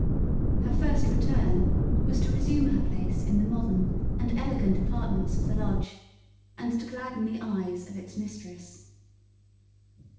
Her first return was to resume her place in the modern and elegant apartments of the Lodge, and to gladden the eyes of its mistress.